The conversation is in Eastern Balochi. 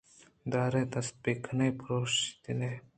دارے دست ءَ کن ئے ءُ پرٛوشیتے